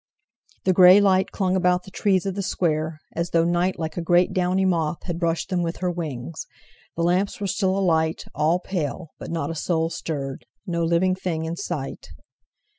The grey light clung about the trees of the square, as though Night, like a great downy moth, had brushed them with her wings. The lamps were still alight, all pale, but not a soul stirred—no living thing in sight.